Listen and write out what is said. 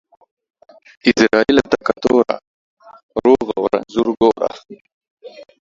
عزرائيله تکه توره ، روغ او رنځور گوره.